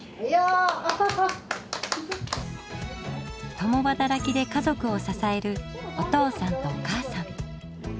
共働きで家族を支えるお父さんとお母さん。